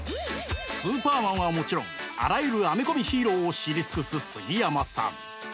「スーパーマン」はもちろんあらゆるアメコミヒーローを知り尽くす杉山さん！